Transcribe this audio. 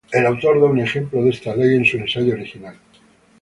El autor da un ejemplo de esta ley en su ensayo original.